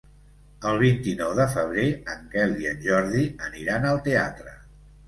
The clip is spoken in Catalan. El vint-i-nou de febrer en Quel i en Jordi aniran al teatre.